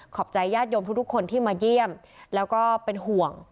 ขอบใจญาติยมทุกคนที่มายืนแล้วก็เป็นห่วง